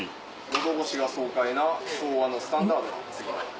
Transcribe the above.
喉越しが爽快な昭和のスタンダードなつぎ方です。